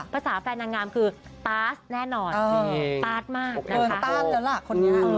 ภาษาแฟนนางงามคือป๊าสแน่นอนป๊าสมากนะคะ